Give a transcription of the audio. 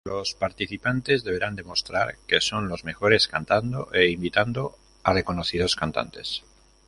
Los participantes deberán demostrar que son los mejores cantando e imitando a reconocidos cantantes.